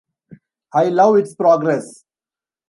I love its progress.